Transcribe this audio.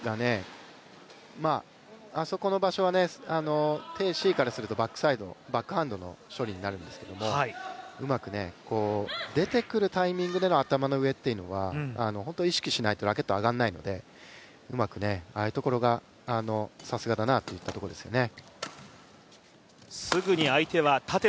あそこの場所は鄭思緯からするとバックサイド、バックハンドの処理になるんですけれどもうまく出てくるタイミングでの頭の上というのは本当に意識しないとラケットが上がらないので、うまくああいうところが、さすがだなあというところですよね。